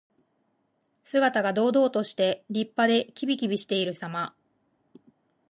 姿が堂々として、立派で、きびきびしているさま。